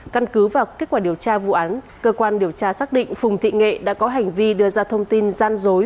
căn cứ vào kết quả điều tra vụ án cơ quan điều tra xác định phùng thị nghệ đã có hành vi đưa ra thông tin gian dối